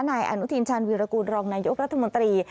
นายอนุทินชาญวีรกูลรองนายกรัฐมนตรี